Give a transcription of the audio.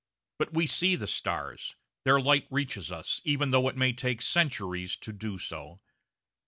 But we see the stars; their light reaches us, even though it may take centuries to do so.